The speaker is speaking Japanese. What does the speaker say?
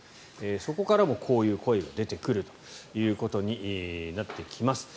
そこからもこういう声が出てくるということになってきます。